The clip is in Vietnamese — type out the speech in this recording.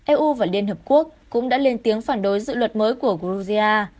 eu và liên hợp quốc cũng đã lên tiếng phản đối dự luật mới của georgia